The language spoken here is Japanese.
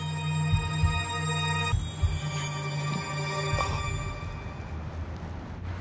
あっ。